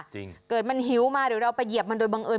จริงเกิดมันหิวมาหรือเราไปเหยียบมันโดยบังเอิ